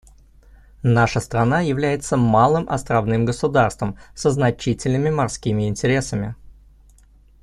Наша страна является малым островным государством со значительными морскими интересами.